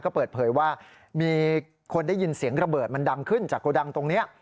ก็เปิดเผยว่ามีคนได้ยินเสียงระเบิดมันดังขึ้นจากโกดังตรงนี้